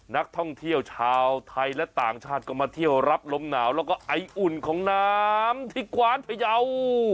นักท่องเที่ยวชาวไทยและต่างชาติก็มาเที่ยวรับลมหนาวแล้วก็ไออุ่นของน้ำที่กวานพยาว